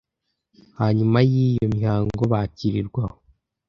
Hanyuma yiyo mihango bakirirwa aho